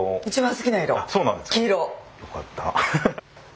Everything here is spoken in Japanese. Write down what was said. よかった。